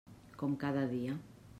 Com cada dia.